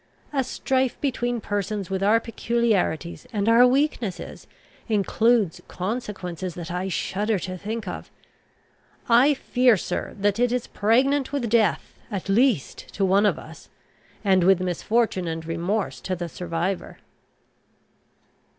A strife between persons with our peculiarities and our weaknesses, includes consequences that I shudder to think of. I fear, sir, that it is pregnant with death at least to one of us, and with misfortune and remorse to the survivor."